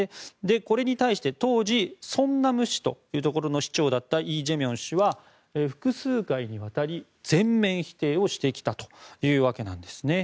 これに対して当時、ソンナム市というところの市長だったイ・ジェミョン氏は複数回にわたり全面否定をしてきたというわけなんです。